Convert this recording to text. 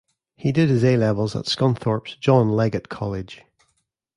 He did his A levels at Scunthorpe's John Leggott College.